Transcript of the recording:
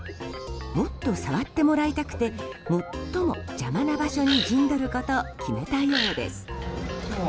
もっと触ってもらいたくて最も邪魔な場所に陣取ることを決めたようです。